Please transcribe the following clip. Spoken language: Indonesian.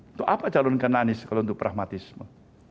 untuk apa calonkan anies kalau untuk pragmatisme